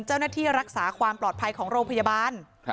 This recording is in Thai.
เจ้าหน้าที่รักษาความปลอดภัยของโรงพยาบาล